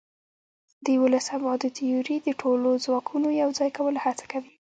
د یوولس ابعادو تیوري د ټولو ځواکونو یوځای کولو هڅه کوي.